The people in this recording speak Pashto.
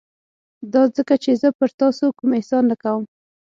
دا ځکه چې زه پر تاسو کوم احسان نه کوم.